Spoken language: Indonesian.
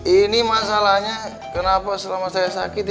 ini masalahnya kenapa selama saya sakit